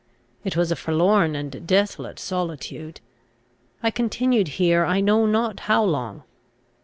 It was a forlorn and desolate solitude. I continued here I know not how long.